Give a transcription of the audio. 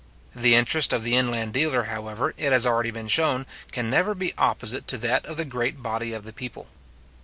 The interest of the inland dealer, however, it has already been shown, can never be opposite to that of the great body of the people.